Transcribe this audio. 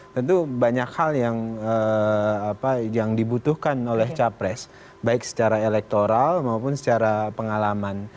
tentu banyak hal yang dibutuhkan oleh capres baik secara elektoral maupun secara pengalaman